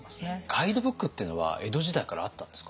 ガイドブックっていうのは江戸時代からあったんですか？